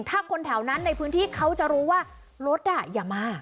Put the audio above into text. ถ้าคนแถวนั้นในพื้นที่เขาจะรู้ว่ารถอย่ามา